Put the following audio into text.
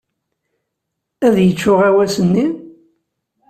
Ad yečč uɣawas-nni?